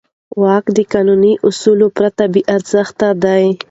واک د قانوني اصولو پرته بېارزښته دی.